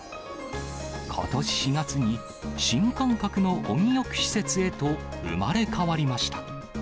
ことし４月に、新感覚の温浴施設へと生まれ変わりました。